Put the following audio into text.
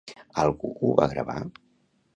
Algú ho va gravar?